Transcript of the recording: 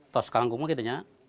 tos kangkungnya gitu ya